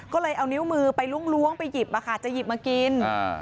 ก็เลยเอานิ้วมือไปล้วงไปหยิบจะหยิบมากิน